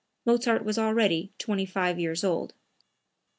Mozart was already twenty five years old.)